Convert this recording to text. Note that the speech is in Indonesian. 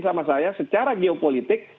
sama saya secara geopolitik